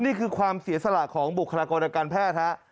นี่คือความเสียสละของบุคลากรทางการแพทย์ฮะ